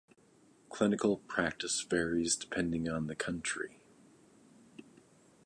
Clinical practice varies depending on the country.